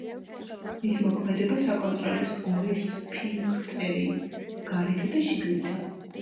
მის მოქმედებას აკონტროლებს ორი სფინქტერი: გარეთა და შიგნითა.